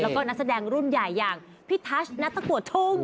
แล้วก็นักแสดงรุ่นใหญ่อย่างพี่ทัชนัตตะกัวชง